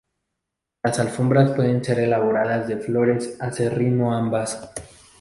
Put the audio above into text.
Las alfombras pueden ser elaboradas de flores, aserrín o ambas.